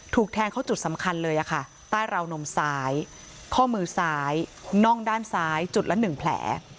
แทงเขาจุดสำคัญเลยค่ะใต้ราวนมซ้ายข้อมือซ้ายน่องด้านซ้ายจุดละ๑แผล